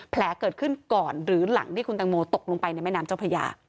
แผลเกิดขึ้นก่อนหรือหลังที่คุณตังโมตกลงไปในแม่น้ำเจ้าพระยา